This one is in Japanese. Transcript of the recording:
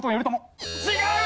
違う！